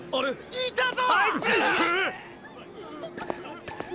・いたぞ！